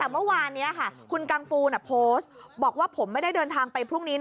แต่เมื่อวานนี้คุณกังฟูโพสต์บอกว่าผมไม่ได้เดินทางไปพรุ่งนี้นะ